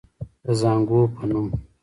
د زانګو پۀ نوم